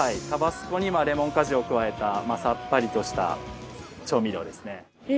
タバスコにレモン果汁を加えたさっぱりとした調味料ですね。